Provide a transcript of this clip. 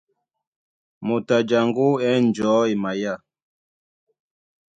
Moto a jaŋgó á ɛ̂n njɔ̌ e maya.